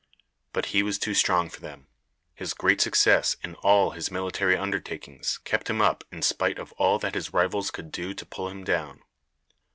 But he was too strong for them. His great success in all his military undertakings kept him up in spite of all that his rivals could do to pull him down.